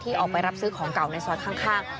ที่ออกไปรับซื้อของเก่าในศาสตร์ข้าง